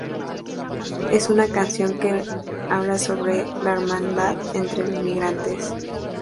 Es una canción que habla de la hermandad entre inmigrantes.